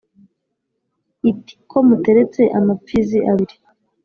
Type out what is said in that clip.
iti "ko muteretse amapfizi abiri,